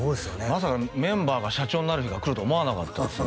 まさかメンバーが社長になる日が来るとは思わなかったですね